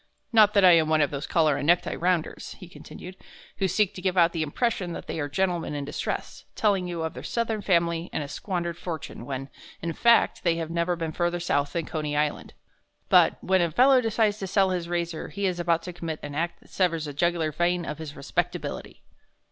"Not that I am one of those collar and necktie rounders," he continued, "who seek to give out the impression that they are gentlemen in distress, telling you of their Southern family and a squandered fortune when, in fact, they have never been further South than Coney Island.... But when a fellow decides to sell his razor he is about to commit an act that severs the jugular vein of his respectability.